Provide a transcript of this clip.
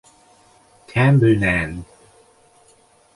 Tambunan.